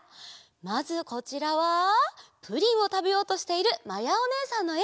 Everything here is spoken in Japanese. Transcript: まずこちらはプリンをたべようとしているまやおねえさんのえ。